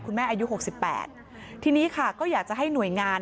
อายุ๖๘ทีนี้ค่ะก็อยากจะให้หน่วยงาน